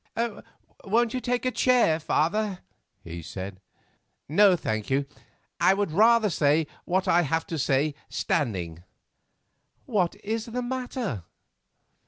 "Won't you take a chair, father?" he said. "No, thank you; I would rather say what I have to say standing." "What is the matter?"